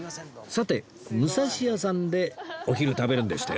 さて武蔵屋さんでお昼食べるんでしたよね？